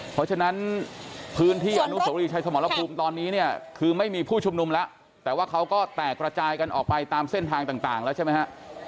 เพราะฉะนั้นพื้นที่อนุสวรีชัยสมรภูมิตอนนี้เนี่ยคือไม่มีผู้ชุมนุมแล้วแต่ว่าเขาก็แตกระจายกันออกไปตามเส้นทางต่างแล้วใช่ไหมฮะ